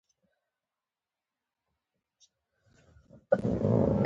د افغانستان طبیعت له د بولان پټي څخه جوړ شوی دی.